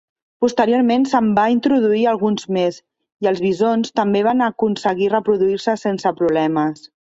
Posteriorment se'n va introduir alguns més, i els bisons també van aconseguir reproduir-se sense problemes.